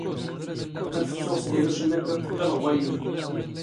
ⴰⵔ ⴼⵜⵜⵓⵖ ⵙ ⵀⵉⵔⵓⵛⵉⵎⴰ ⴽⵕⴰⴹⵜ ⵜⴽⴽⴰⵍ ⵖ ⵡⴰⵢⵢⵓⵔ.